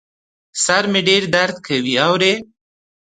سر مي ډېر درد کوي ، اورې ؟